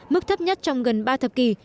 mức thấp nhất trong gần ba thập kỷ